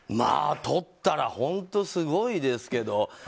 とったら、本当すごいですけど。